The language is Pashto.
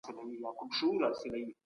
دفاع وزارت قونسلي خدمات نه ځنډوي.